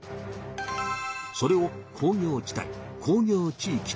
それを「工業地帯・工業地域」といいます。